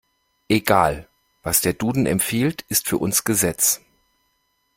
Egal. Was der Duden empfiehlt, ist für uns Gesetz.